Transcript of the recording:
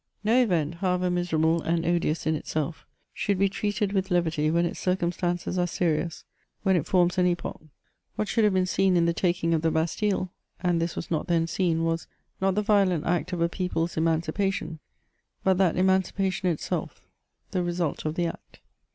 No event, however miserable and odious in itself, should be treated with levity when its circumstances are serious, when it forms an epoch ; what should have been seen in the taking of the Bastille (and this was not then seen) was, not the violent act of a people's emancipation, but that emancipation itself, the result of the act.